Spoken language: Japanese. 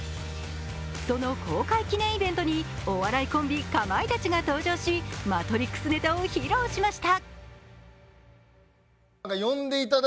その公開記念イベントにお笑いコンビかまいたちが登場し「マトリックス」ネタを披露しました。